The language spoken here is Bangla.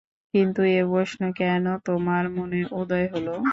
কিন্তু এ প্রশ্ন কেন তোমার মনে উদয় হল?